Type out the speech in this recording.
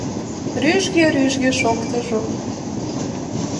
Рӱжге-рӱжге шоктыжо.